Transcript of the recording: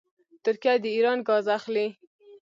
ترکیه د ایران ګاز اخلي.